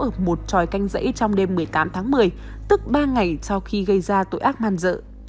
ở một tròi canh dãy trong đêm một mươi tám tháng một mươi tức ba ngày sau khi gây ra tội ác man dợ